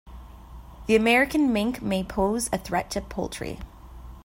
The American mink may pose a threat to poultry.